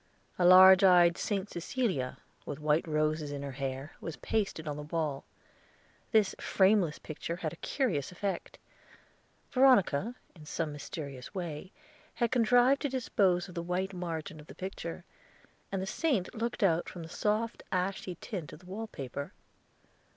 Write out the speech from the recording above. A large eyed Saint Cecilia, with white roses in her hair, was pasted on the wall. This frameless picture had a curious effect. Veronica, in some mysterious way, had contrived to dispose of the white margin of the picture, and the saint looked out from the soft ashy tint of the wallpaper.